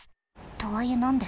とはいえ何で？